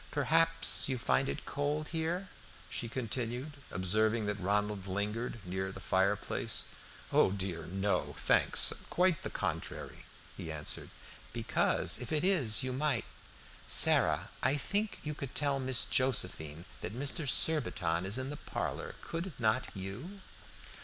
"Perhaps you find it cold here?" she continued, observing that Ronald lingered near the fire place. "Oh dear, no, thanks, quite the contrary," he answered. "Because if it is you might Sarah, I think you could tell Miss Josephine that Mr. Surbiton is in the parlor, could not you?"